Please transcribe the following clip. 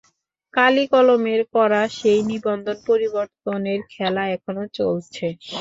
কালিকলমের করা সেই নিবন্ধন পরিবর্তনের খেলা এখনো চলছে।